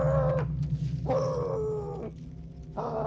ya sudah diberesin di sana